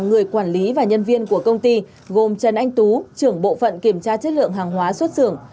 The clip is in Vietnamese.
người quản lý và nhân viên của công ty gồm trần anh tú trưởng bộ phận kiểm tra chất lượng hàng hóa xuất xưởng